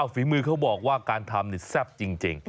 ฝีมือเขาบอกว่าการทำแซ่บจริง